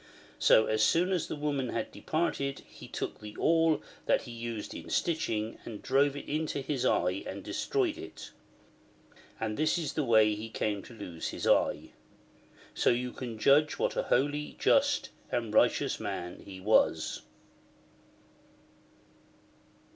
So, as soon as the woman had departed, he took the awl that he used in stitching, and drove it into his eye and de stroyed it. And this is the way he came to lose his eye. So you can judge what a holy, just, and righteous man he was.